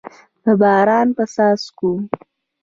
د باران په څاڅکو